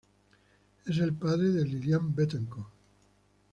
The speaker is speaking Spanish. Es el padre de Liliane Bettencourt.